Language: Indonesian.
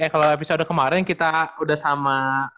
kalau episode kemarin kita udah sama